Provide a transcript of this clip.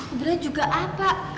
aku berani juga apa